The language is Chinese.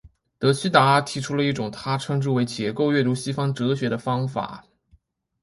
德希达提出了一种他称之为解构阅读西方哲学的方法。